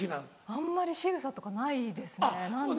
あんまりしぐさとかないですね何だろう。